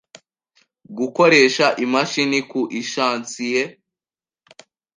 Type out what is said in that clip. gukoresha imashini ku ishansiye,